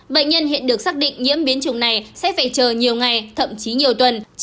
bệnh nhân hiện được xác định nhiễm biến trùng này sẽ phải chờ nhiều ngày thậm chí nhiều tuần